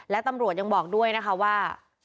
และตำรวจยังบอกด้วยนะคะว่า